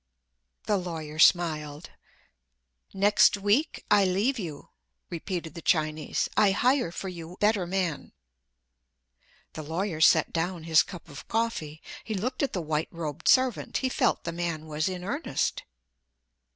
The lawyer smiled. "Next week I leave you," repeated the Chinese; "I hire for you better man." The lawyer set down his cup of coffee. He looked at the white robed servant. He felt the man was in earnest.